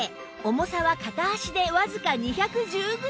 重さは片足でわずか２１０グラム！